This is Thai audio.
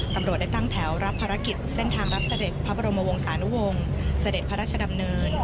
ตำรวจได้ตั้งแถวรับภารกิจเส้นทางรับเสด็จพระบรมวงศานุวงศ์เสด็จพระราชดำเนิน